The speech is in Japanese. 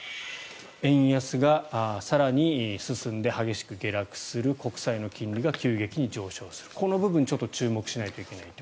円安が更に進んで激しく下落する国債の金利が急激に上昇するこの部分に注目しないといけないと。